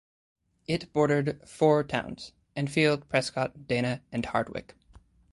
It bordered four towns-Enfield, Prescott, Dana, and Hardwick.